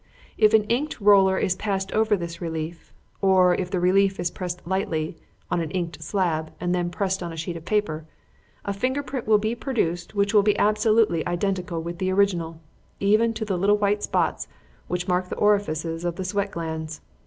If an inked roller is passed over this relief, or if the relief is pressed lightly on an inked slab, and then pressed on a sheet of paper, a finger print will be produced which will be absolutely identical with the original, even to the little white spots which mark the orifices of the sweat glands.